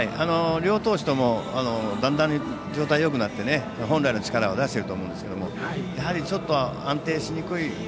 両投手ともだんだん状態がよくなって本来の力を出していると思いますがやはり、ちょっと安定しにくい。